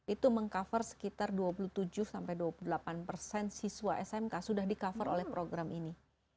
itu meng cover sekitar dua puluh tujuh sampai dua puluh delapan persen siswa smk sudah di cover oleh program ini